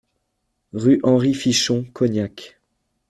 Rue Henri Fichon, Cognac